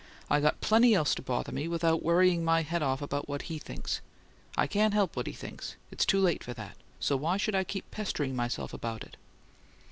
"I got plenty else to bother me, without worrying my head off about what HE thinks. I can't help what he thinks; it's too late for that. So why should I keep pestering myself about it?"